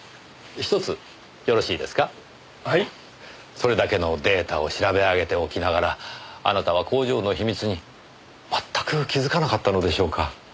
それだけのデータを調べ上げておきながらあなたは工場の秘密に全く気づかなかったのでしょうか？